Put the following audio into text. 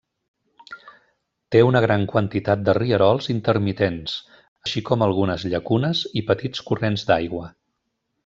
Té una gran quantitat de rierols intermitents, així com algunes llacunes i petits corrents d'aigua.